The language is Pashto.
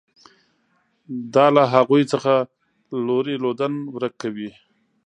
دا له هغوی څخه لوری لودن ورک کوي.